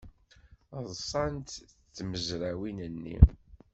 Ḍṣant tmezrawin-nni.